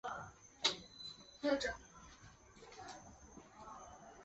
科列诺农村居民点是俄罗斯联邦沃罗涅日州新霍皮奥尔斯克区所属的一个农村居民点。